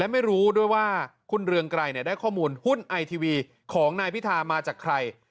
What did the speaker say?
ไม่รู้ด้วยว่าคุณเรืองไกรได้ข้อมูลหุ้นไอทีวีของนายพิธามาจากใคร